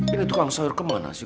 ini tuh kang sayur kemana sih